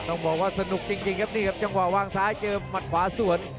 ต้องบอกว่าสนุกจริงครับนี่ครับจังหวะวางซ้ายเจอหมัดขวาสวน